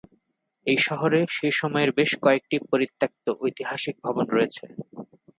এই শহরে সেই সময়ের বেশ কয়েকটি পরিত্যক্ত ঐতিহাসিক ভবন রয়েছে।